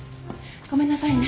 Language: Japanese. ごめんなさいね。